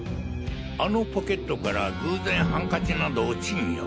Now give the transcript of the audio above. あのポケットから偶然ハンカチなど落ちんよ。